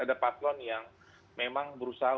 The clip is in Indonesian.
ada paslon yang memang berusaha